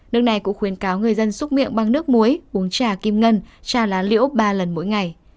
nước này cũng khuyến cáo người dân xúc miệng bằng nước muối uống trà kim ngân trà lá liễu ba lần mỗi ngày